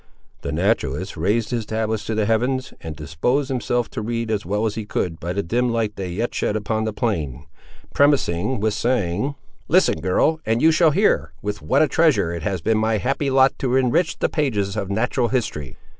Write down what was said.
The naturalist raised his tablets to the heavens, and disposed himself to read as well as he could, by the dim light they yet shed upon the plain; premising with saying— "Listen, girl, and you shall hear, with what a treasure it has been my happy lot to enrich the pages of natural history!"